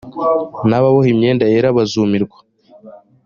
n ababoha imyenda yera bazumirwa